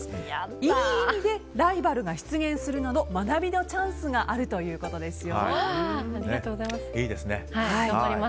いい意味でライバルが出現するなど学びのチャンスがあるということですよ。